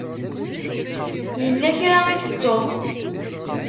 Yella kra i tettuḍ?